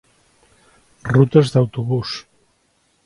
Rutes d'autobús.